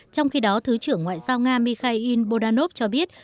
trong khi đó thứ trưởng ngoại giao nga mikhail burdanov cho biết